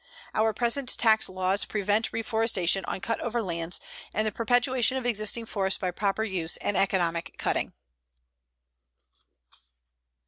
Our present tax laws prevent reforestation on cut over lands and the perpetuation of existing forests by proper use and economic cutting.